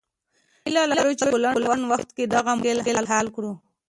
هیله لرو چې په لنډ وخت کې دغه مشکل حل کړو.